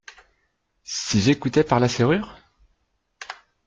Si j’écoutais par la serrure ?…